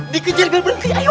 dikejil bel berhenti ayo